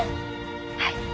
「はい」